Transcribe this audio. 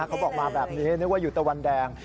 เขาบอกมาแบบนี้นึกว่าอยู่ตะวันแดง